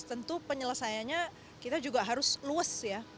tentu penyelesaiannya kita juga harus luas ya